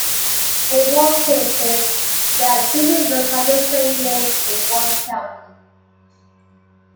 In four cases there are two rivers of the same name in one county.